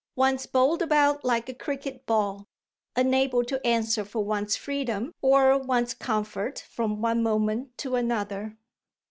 "One's bowled about like a cricket ball, unable to answer for one's freedom or one's comfort from one moment to another."